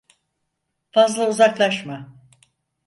Fazla uzaklaşma.